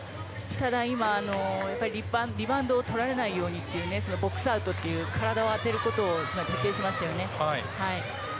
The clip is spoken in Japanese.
ただ、今リバウンドをとられないようにとボックスアウトという体を当てることを徹底しましたね。